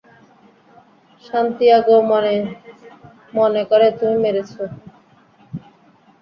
Santiago মনে করে তুমি মেরেছ।